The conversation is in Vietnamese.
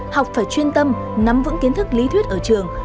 học phải chuyên tâm nắm vững kiến thức lý thuyết ở trường